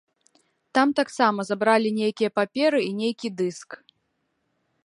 Там таксама забралі нейкія паперы і нейкі дыск.